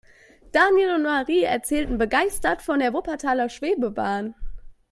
Daniel und Marie erzählten begeistert von der Wuppertaler Schwebebahn.